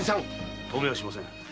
止めはしません。